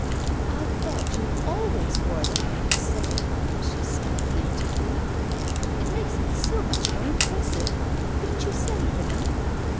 "I thought you always wore them when you sang!" she said plaintively. "It makes it so much more impressive. Couldn't you send for them?"